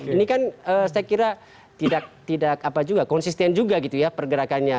ini kan saya kira tidak konsisten juga gitu ya pergerakannya